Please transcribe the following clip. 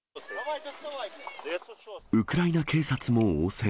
ウクライナ警察も応戦。